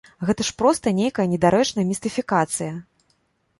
Гэта ж проста нейкая недарэчная містыфікацыя.